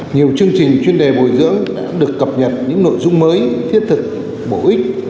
nhiều chương trình chuyên đề bồi dưỡng đã được cập nhật những nội dung mới thiết thực bổ ích